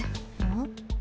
うん？